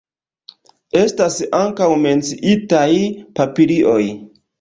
Estas ankaŭ menciitaj papilioj.